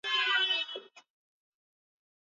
Alielezea juu ya uwezo wa Jacob kufanya matukio akiruka